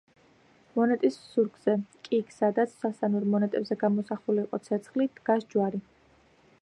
მონეტის ზურგზე, კი იქ სადაც სასანურ მონეტებზე გამოსახული იყო ცეცხლი, დგას ჯვარი.